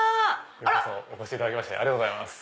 ようこそお越しいただきましてありがとうございます。